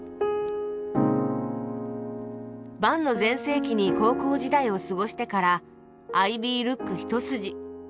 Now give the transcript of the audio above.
ＶＡＮの全盛期に高校時代を過ごしてからアイビールック一筋。